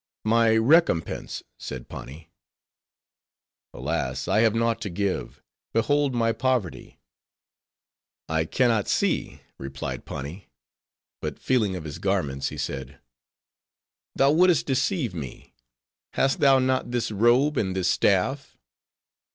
"My recompense," said Pani. "Alas! I have naught to give. Behold my poverty." "I can not see," replied Pani; but feeling of his garments, he said, "Thou wouldst deceive me; hast thou not this robe, and this staff?"